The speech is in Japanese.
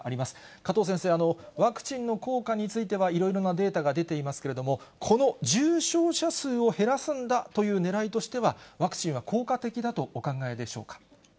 加藤先生、ワクチンの効果については、いろいろなデータが出ていますけれども、この重症者数を減らすんだというねらいとしては、ワクチンは効果的だとお考えでしょうか。